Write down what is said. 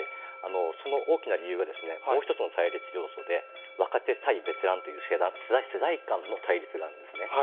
その大きな理由が、もう一つの対立要素で、若手対ベテランという、世代間の対立があるんですね。